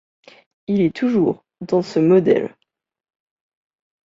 Il est toujours, dans ce modèle.